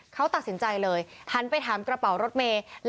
เขาตัดสินใจเลยหันไปถามกระเป๋ารถเมย์